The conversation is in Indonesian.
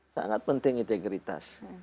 sangat penting integritas